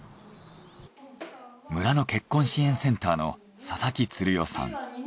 村の結婚支援センターの佐々木鶴代さん。